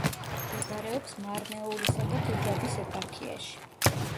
მდებარეობს მარნეულისა და ჰუჯაბის ეპარქიაში.